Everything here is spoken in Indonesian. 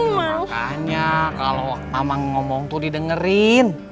makanya kalo amang ngomong tuh didengerin